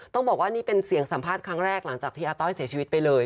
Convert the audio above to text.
ต้องบอกว่านี่เป็นเสียงสัมภาษณ์ครั้งแรกหลังจากที่อาต้อยเสียชีวิตไปเลย